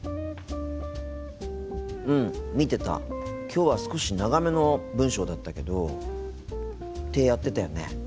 きょうは少し長めの文章だったけどってやってたよね。